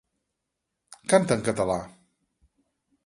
Canta en català.